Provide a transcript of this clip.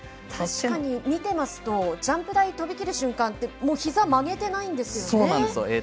確かに見てますとジャンプ台を飛びきる瞬間ってひざ曲げてないんですよね？